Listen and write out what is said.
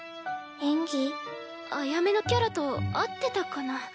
アヤメのキャラと合ってたかな？